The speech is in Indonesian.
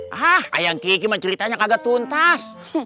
hah ayang kiki mah ceritanya kagak tuntas